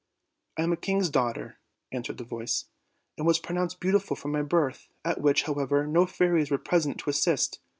"I am a king's daughter," answered the voice, "and was pronounced beautiful from my birth, at which, however, no fairies were present to assist.